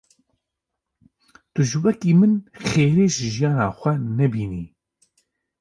Tu jî wekî min xêrê ji jiyana xwe nebînî.